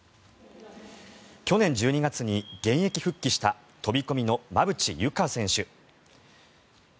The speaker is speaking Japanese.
去年１２月に現役復帰した飛込の馬淵優佳選手。